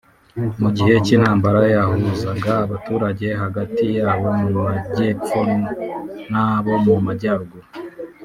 Mu gihe cy’intambara yahuzaga abaturage hagati y’abo mu majyepfon’abo mu majyaruguru